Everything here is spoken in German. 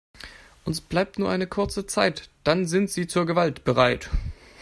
Uns bleibt nur eine kurze Zeit, dann sind sie zur Gewalt bereit.